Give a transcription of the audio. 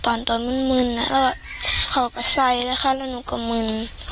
ตอนมื้นเขาก็ใส่แล้วค่ะแล้วหนูก็มื้น